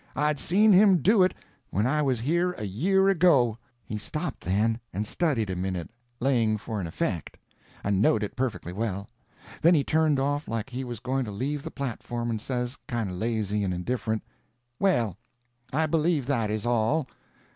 I'd seen him do it when I was here a year ago." He stopped then, and studied a minute—laying for an "effect"—I knowed it perfectly well. Then he turned off like he was going to leave the platform, and says, kind of lazy and indifferent: "Well, I believe that is all."